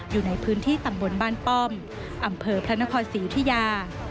อยู่ในพื้นที่ตำบลบ้านป้อมอำเภอพระนครศรีอุทิยา